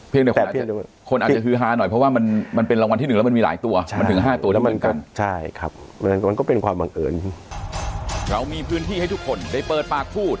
เพียงเดี๋ยวคนอาจจะคือฮาหน่อยเพราะว่ามันเป็นรางวัลที่หนึ่งแล้วมันมีหลายตัว